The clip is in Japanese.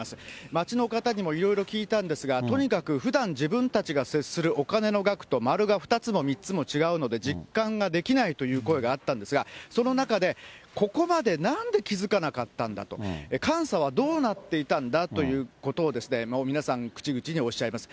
町の方にもいろいろ聞いたんですが、とにかくふだん、自分たちが接するお金の額と丸が２つも３つも違うので実感ができないという声があったんですが、その中で、ここまでなんで気付かなかったんだと、監査はどうなったいたんだということを皆さん、口々におっしゃいます。